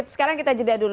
sekarang kita jeda dulu